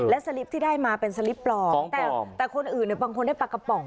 และสลิปที่ได้มาเป็นสลิปปลอมแต่คนอื่นเนี่ยบางคนได้ปลากระป๋อง